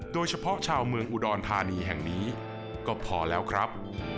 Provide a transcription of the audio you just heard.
โดยเฉพาะชาวเมืองอุดรธานีแห่งนี้ก็พอแล้วครับ